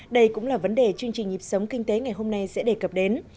đây cũng là vấn đề chương trình nhịp sống kinh tế ngày hôm nay sẽ đề cập đến